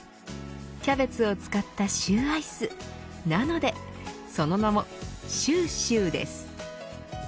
キャベツを使ったシューアイスなのでその名もｃｈｏｕｃｈｏｕです。